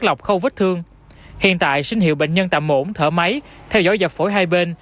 lọc khâu vết thương hiện tại sinh hiệu bệnh nhân tạm ổn thở máy theo dõi dập phổi hai bên